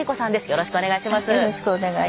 よろしくお願いします。